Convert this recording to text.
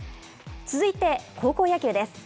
続いて高校野球です。